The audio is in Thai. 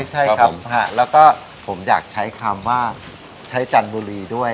ใช่ครับแล้วก็ผมอยากใช้คำว่าใช้จันทบุรีด้วย